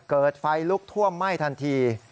เกิดไฟลุกท่วมไหม้ทันที